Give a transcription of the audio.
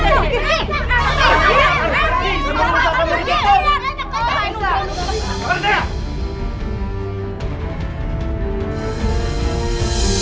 sebelum usaha kamu ditutup